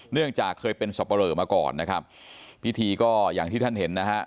เนื่องจากเคยเป็นสับปะเหลอมาก่อนนะครับพิธีก็อย่างที่ท่านเห็นนะฮะ